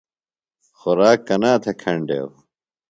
خوۡراک کنا تھےۡ کھنیڈیو؟